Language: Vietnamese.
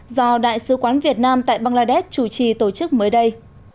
do đại sứ quán việt nam tại bangladesh chủ trì tổ chức mới đây